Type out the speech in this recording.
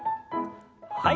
はい。